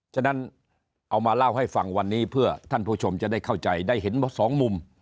ฉะนั้นเอามาเล่าให้ฟังวันนี้เพื่อท่านผู้ชมจะได้เข้าใจได้เห็นสองมุม